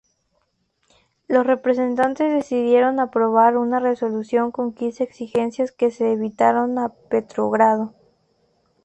Los presentes decidieron aprobar una resolución con quince exigencias que se enviaron a Petrogrado.